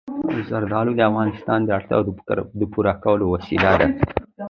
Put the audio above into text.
زردالو د افغانانو د اړتیاوو د پوره کولو وسیله ده.